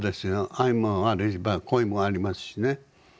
愛もあれば恋もありますしね。